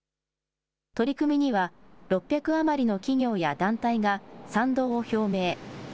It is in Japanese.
取り組みには６００余りの企業や団体が賛同を表明。